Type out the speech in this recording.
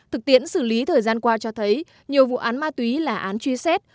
thực tiễn xử lý thời gian qua cho thấy nhiều vụ án ma túy là án truy xét